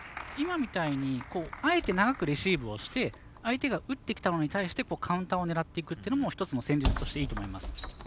今みたいにあえて、長くレシーブをして相手が打ってきたのに対してカウンターを狙っていくのも１つの戦術としていいと思います。